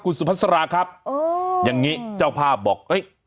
คุณสุพัสราครับอย่างนี้เจ้าภาพบอกเอ้ย